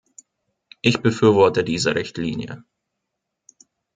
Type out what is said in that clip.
Ich befürworte diese Richtlinie.